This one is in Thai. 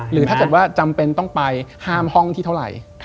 หรือถ้าเกิดว่าจำเป็นต้องไปห้ามห้องที่เท่าไหร่